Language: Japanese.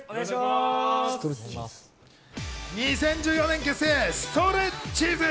２０１４年結成、ストレッチーズ。